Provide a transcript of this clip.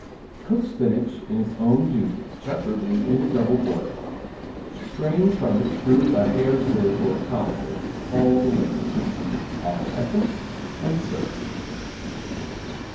Cook spinach in its own juices (preferably in double boiler). Strain from it, through a hair sieve or colander, all the liquid. Add essence and serve.